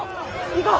行こう。